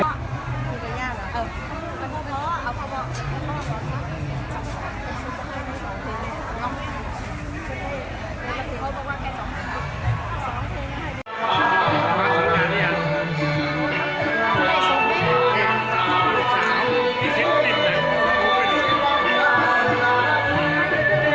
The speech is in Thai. ขอบริการณ์ที่ดูเจอทางอื่น